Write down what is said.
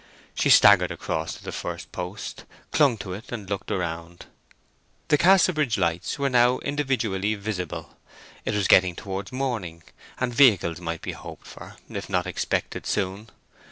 She staggered across to the first post, clung to it, and looked around. The Casterbridge lights were now individually visible. It was getting towards morning, and vehicles might be hoped for, if not expected soon.